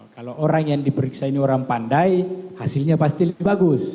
kalau orang yang diperiksa ini orang pandai hasilnya pasti lebih bagus